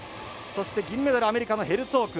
そして、銀メダルアメリカのヘルツォーク。